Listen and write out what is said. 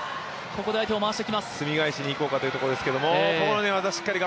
すみ返しにいこうかというところですが。